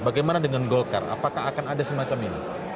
bagaimana dengan golkar apakah akan ada semacam ini